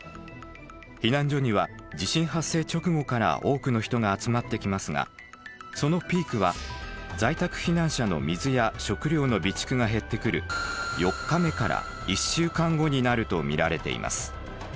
避難所には地震発生直後から多くの人が集まってきますがそのピークは在宅避難者の水や食料の備蓄が減ってくる４日目から１週間後になると見られています。